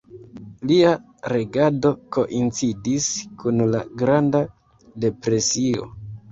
Lia regado koincidis kun la Granda Depresio.